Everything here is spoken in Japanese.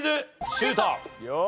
シュート！